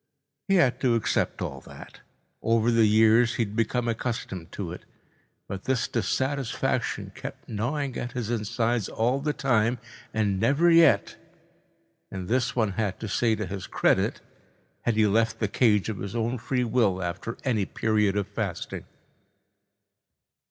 He had to accept all that. Over the years he had become accustomed to it. But this dissatisfaction kept gnawing at his insides all the time and never yet—and this one had to say to his credit—had he left the cage of his own free will after any period of fasting.